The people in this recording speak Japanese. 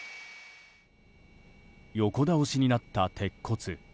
横倒しになった鉄骨。